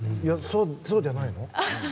そうじゃないの？